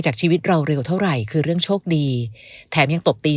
ชีวิตเราเร็วเท่าไหร่คือเรื่องโชคดีแถมยังตบตี